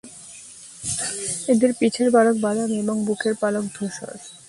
এদের পিঠের পালক বাদামী এবং বুকের পালক ধূসর।